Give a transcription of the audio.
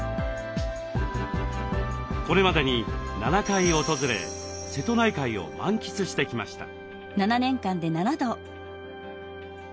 これまでに７回訪れ瀬戸内海を満喫してきました。